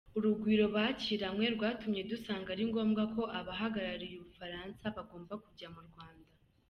Urugwiro bakiranywe rwatumye dusanga ari ngombwa ko abahagarariye u Bufaransa bagomba kujya mu Rwanda.